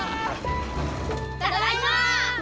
ただいま。